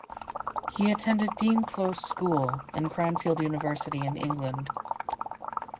He attended Dean Close School and Cranfield University in England.